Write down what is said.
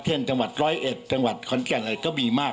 จังหวัดร้อยเอ็ดจังหวัดขอนแก่นอะไรก็มีมาก